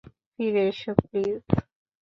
ফিরে এসো, প্লিজ!